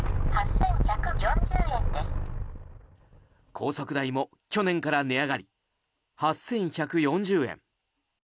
高速代も去年から値上がり、８１４０円。